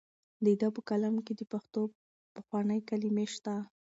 د ده په کلام کې د پښتو پخوانۍ کلمې شته.